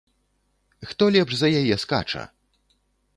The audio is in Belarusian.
Хто лепш за яе скача!